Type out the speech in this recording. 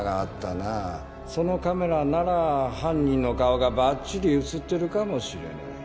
そのカメラなら犯人の顔がバッチリ映ってるかもしれない。